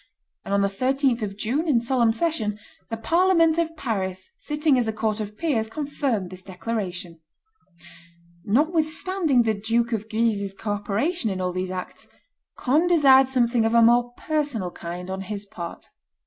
On the 13th of June, in solemn session, the Parliament of Paris, sitting as a court of peers, confirmed this declaration. Notwithstanding the Duke of Guise's co operation in all these acts, Conde desired something of a more personal kind on his part.